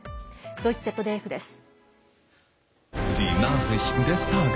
ドイツＺＤＦです。